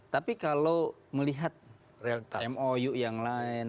tapi kalau melihat relta mou yang lain